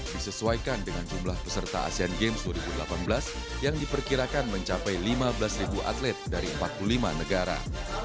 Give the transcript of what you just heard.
disesuaikan dengan jumlah peserta asean games dua ribu delapan belas yang diperkirakan mencapai lima belas atlet dari empat puluh lima negara